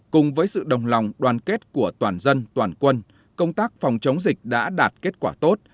cùng với sự đồng lòng đoàn kết của toàn dân toàn quân công tác phòng chống dịch đã đạt kết quả tốt